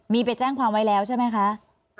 มีไปแจ้งความไว้แล้วใช่ไหมคะ